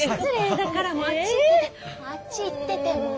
もうあっち行っててもう。